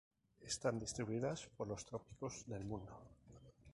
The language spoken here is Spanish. Están distribuidas por los trópicos del mundo.